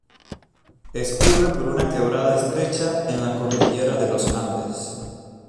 Escurre por una quebrada estrecha en la cordillera de los Andes.